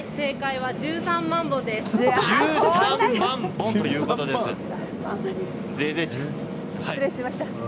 １３万本です。